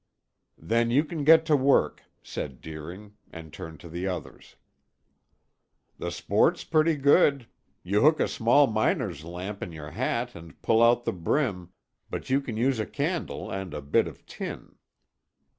"Then you can get to work," said Deering, and turned to the others. "The sport's pretty good. You hook a small miner's lamp in your hat and pull out the brim, but you can use a candle and a bit of tin.